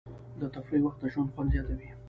د تفریح وخت د ژوند خوند زیاتوي.